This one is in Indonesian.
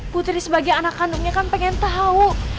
putri sebagai anak kandungnya kan pengen tahu